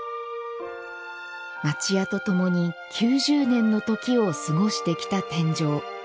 町家と共に９０年の時を過ごしてきた天井。